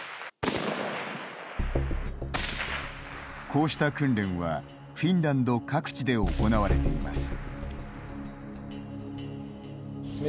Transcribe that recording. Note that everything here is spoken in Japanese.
こうした訓練は、フィンランド各地で行われています。